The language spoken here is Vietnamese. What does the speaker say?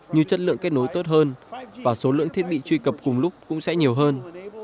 như chất lượng kết nối tốt hơn và số lượng thiết bị truy cập cùng lúc cũng sẽ nhiều hơn